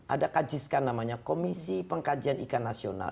ada kajiskan namanya komisi pengkajian ikan nasional